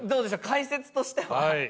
解説としては先生。